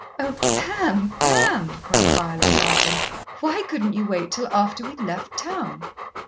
"Oh, Pam, Pam!" cried Violet, laughing, "why couldn't you wait till after we'd left town?"